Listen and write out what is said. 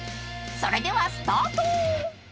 ［それではスタート］